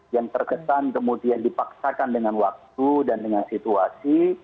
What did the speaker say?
yang terkesan kemudian dipaksakan dengan waktu dan dengan situasi